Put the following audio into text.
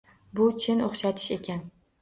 Bu chin o`xshatish ekan